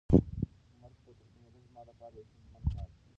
مرګ ته تسلیمېدل زما د پاره یو ستونزمن کار دی.